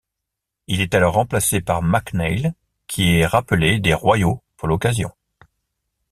Il est alors remplacé par McNeil qui est rappelé des Royaux pour l'occasion.